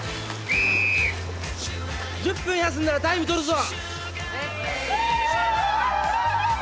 １０分休んだらタイム取るぞ。